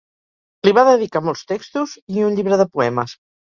Li va dedicar molts textos i un llibre de poemes.